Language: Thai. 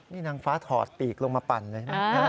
นี่นางฟ้าถอดปีกลงมาปั่นเลยนะ